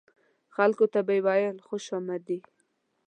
خلکو ته به یې ویل خوش آمدي.